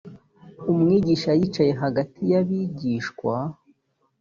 umwigisha yicaye hagati y abigishwa.